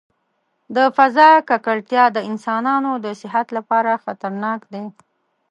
د فضا ککړتیا د انسانانو د صحت لپاره خطرناک دی.